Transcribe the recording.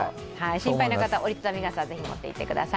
心配な方、折り畳み傘、ぜひ持っていってください。